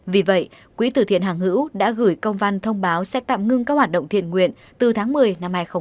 vì vậy quỹ tử thiện hàng hữu đã gửi công văn thông báo sẽ tạm ngưng các hoạt động thiện nguyện từ tháng một mươi năm hai nghìn hai mươi